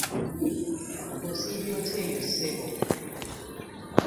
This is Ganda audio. Osiibye otya eyo ssebo?